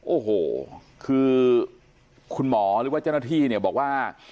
โอ้โหคือคุณหมอหรือว่าเจ้าหน้าที่เนี่ยบอกว่า